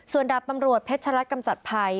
ส่วนดับตำรวจเพชรรัฐกรรมจัดภัย